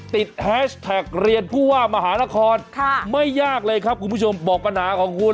แฮชแท็กเรียนผู้ว่ามหานครไม่ยากเลยครับคุณผู้ชมบอกปัญหาของคุณ